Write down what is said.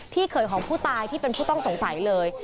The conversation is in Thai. เขยของผู้ตายที่เป็นผู้ต้องสงสัยเลย